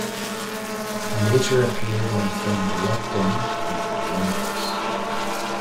He later appeared in the films "Locked In" and "Limitless".